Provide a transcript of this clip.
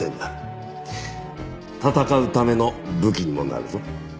闘うための武器にもなるぞ。